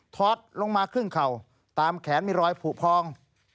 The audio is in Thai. อดลงมาครึ่งเข่าตามแขนมีรอยผูกพอง